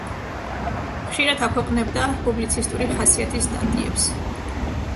ხშირად აქვეყნებდა პუბლიცისტური ხასიათის სტატიებს.